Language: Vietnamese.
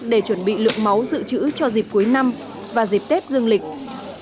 để chuẩn bị lượng máu dự trữ cho dịp cuối năm và dịp tết dương lịch